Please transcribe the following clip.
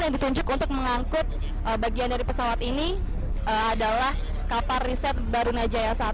yang ditunjuk untuk mengangkut bagian dari pesawat ini adalah kapal riset barunajaya satu